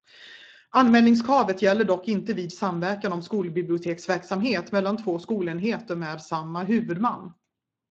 Anmälningskravet gäller dock inte vid samverkan om skolbiblioteksverksamhet mellan två skolenheter med samma huvudman.